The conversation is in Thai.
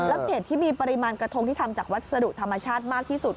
แล้วเห็ดที่มีปริมาณกระทงที่ทำจากวัสดุธรรมชาติมากที่สุด